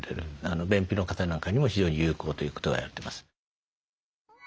便秘の方なんかにも非常に有効ということが言われてます。